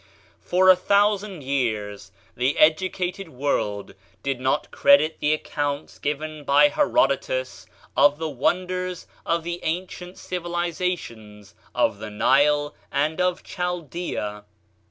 For a thousand years the educated world did not credit the accounts given by Herodotus of the wonders of the ancient civilizations of the Nile and of Chaldea.